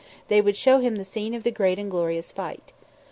they would show Him the scene of the great and glorious fight.